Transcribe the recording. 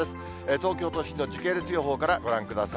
東京都心の時系列予報からご覧ください。